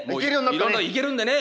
いろいろ行けるんでね。